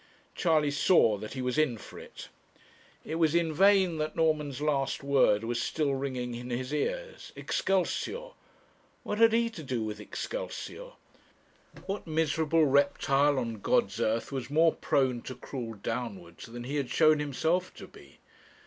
Charley saw that he was in for it. It was in vain that Norman's last word was still ringing in his ears. 'Excelsior!' What had he to do with 'Excelsior?' What miserable reptile on God's earth was more prone to crawl downwards than he had shown himself to be?